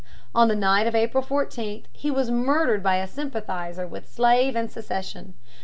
On the night of April 14 he was murdered by a sympathizer with slavery and secession.